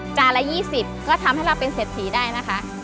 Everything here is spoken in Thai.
จานละ๒๐ก็ทำให้เราเป็นเศรษฐีได้นะคะ